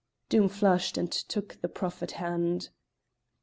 Doom flushed, and took the proffered hand.